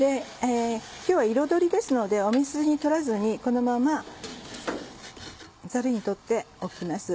今日は彩りですので水に取らずにこのままザルに取っておきます。